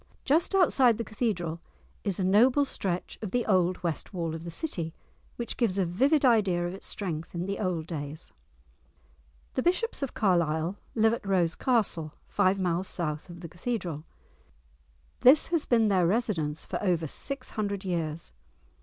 Just outside the Cathedral is a noble stretch of the old West Wall of the city, which gives a vivid idea of its strength in the old days. The bishops of Carlisle live at Rose Castle, five miles south of the Cathedral. This has been their residence for over six hundred years.